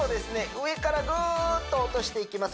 上からぐーっと落としていきます